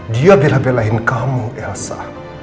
dia belah belahin kamu elsa